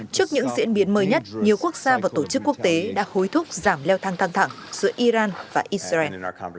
trước những diễn biến mới nhất nhiều quốc gia và tổ chức quốc tế đã hối thúc giảm leo thang căng thẳng giữa iran và israel